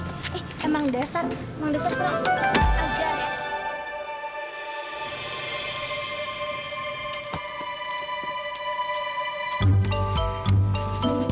eh emang dasar emang dasar pernah